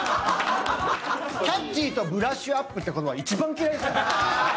キャッチーとブラッシュアップっていう言葉が一番嫌いですから。